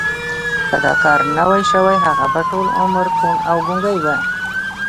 که دا کار نه وای شوی هغه به ټول عمر کوڼ او ګونګی و